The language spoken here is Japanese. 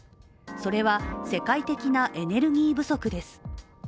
それは世界的なエネルギー不足です。